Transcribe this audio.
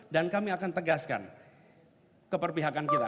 dan kami akan tegaskan keperpihakan kita